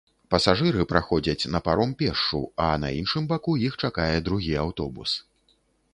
Пасажыры праходзяць на паром пешшу, а на іншым баку іх чакае другі аўтобус.